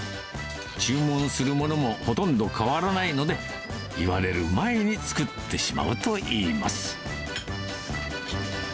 注文するものもほとんど変わらないので、言われる前に作ってしまうといいます。